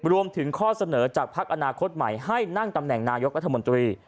รวมถึงข้อเสนอจากพักอนาคตใหม่ให้นั่งตำแหน่งนายกรัฐมนตรี